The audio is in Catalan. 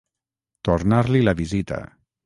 Tornar-li la visita.